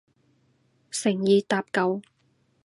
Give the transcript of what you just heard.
誠意搭救